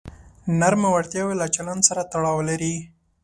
نرمې وړتیاوې له چلند سره تړاو لري.